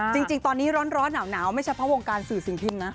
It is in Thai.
จริงตอนนี้ร้อนหนาวไม่ใช่เพราะวงการสื่อสิ่งพิมพ์นะ